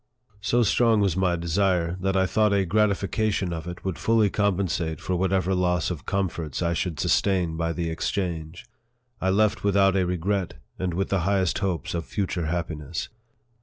So strong was my desire, that I thought a gratification of it would fully compensate for whatever loss of comforts I should sustain by the exchange. I left without a regret, and with the highest hopes of future happiness.